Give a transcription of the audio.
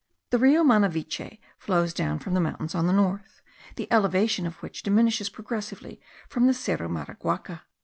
The Rio Manaviche flows down from the mountains on the north, the elevation of which diminishes progressively from the Cerro Maraguaca.